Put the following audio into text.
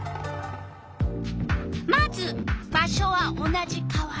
まず場所は同じ川原。